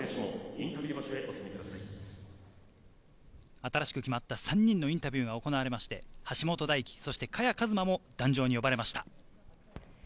新しく決まった３人のインタビューが行われまして橋本大輝、萱和磨も壇上に呼ばれました。